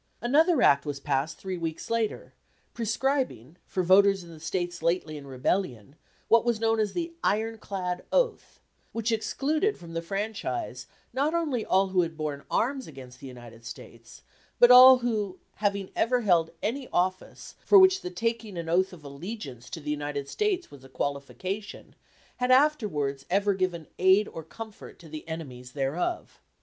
Another Act was passed three weeks later, prescribing, for voters in the States lately in rebellion, what was known as the "ironclad oath," which excluded from the franchise not only all who had borne arms against the United States, but all who, having ever held any office for which the taking an oath of allegiance to the United States was a qualification, had afterwards ever given "aid or comfort to the enemies thereof."